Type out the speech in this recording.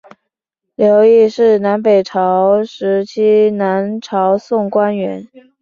刘邕是南北朝时期南朝宋官员。